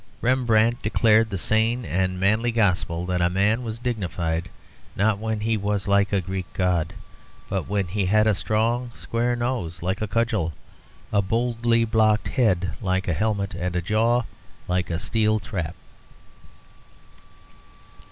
Rembrandt declared the sane and manly gospel that a man was dignified, not when he was like a Greek god, but when he had a strong, square nose like a cudgel, a boldly blocked head like a helmet, and a jaw like a steel trap.